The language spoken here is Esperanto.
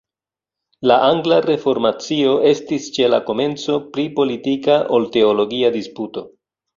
La angla reformacio estis ĉe la komenco pli politika ol teologia disputo.